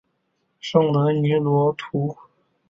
圣德尼多图。